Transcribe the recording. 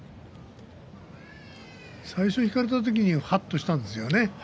最初引かれた時にはっとしたんですよね